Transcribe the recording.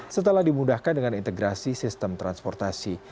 setelah dimudahkan dengan integrasi sistem transportasi